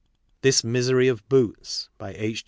THIS MISEBY OF BOOTS. By H.